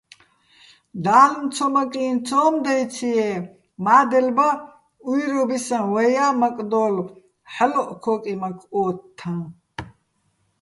დალნ ცომაკინ ცომ დაჲცი̆-ჲე, მადელ ბა უჲრობისაჼ ვაჲა მაკდოლო̆ ჰ̦ალოჸ ქოკიმაქ ოთთაჼ.